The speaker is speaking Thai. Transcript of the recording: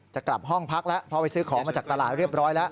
จะกลับห้องพักแล้วพอไปซื้อของมาจากตลาดเรียบร้อยแล้ว